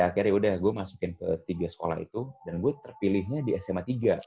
iya akhirnya yaudah gue masukin ke tiga sekolah itu dan gue terpilihnya di sma tiga